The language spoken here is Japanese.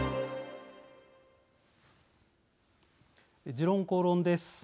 「時論公論」です。